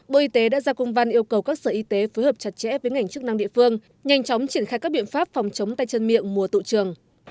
bộ y tế đã ra công văn yêu cầu các sở y tế phối hợp chặt chẽ với ngành chức năng địa phương nhanh chóng triển khai các biện pháp phòng chống tay chân miệng mùa tụ trường